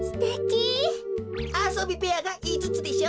あそびべやがいつつでしょ。